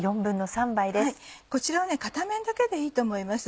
こちらは片面だけでいいと思います。